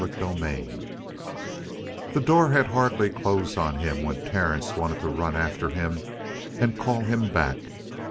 CHAPTER 19 The door had hardly closed on him when Terence wanted to run after him and call him back.